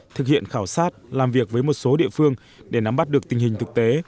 thực hiện khảo sát làm việc với một số địa phương để nắm bắt được tình hình thực tế